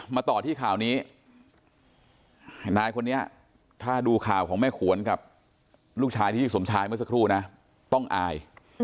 มาต่อที่ข่าวนี้นายคนนี้ถ้าดูข่าวของแม่ขวนกับลูกชายที่พี่สมชายเมื่อสักครู่นะต้องอาย